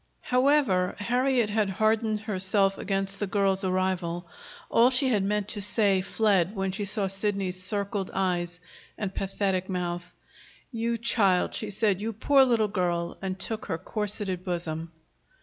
However Harriet had hardened herself against the girl's arrival, all she had meant to say fled when she saw Sidney's circled eyes and pathetic mouth. "You child!" she said. "You poor little girl!" And took her corseted bosom.